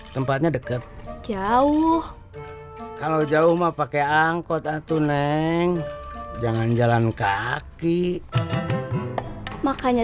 tempatnya deket jauh kalau jauh mah pakai angkot atuh neng jangan jalan kaki makanya